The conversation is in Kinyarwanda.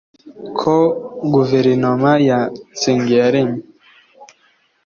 ko guverinoma ya nsengiyaremye